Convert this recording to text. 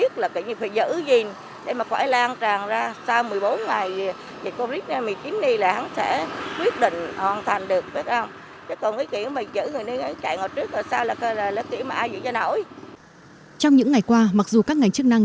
trong những ngày qua mặc dù các ngành chức năng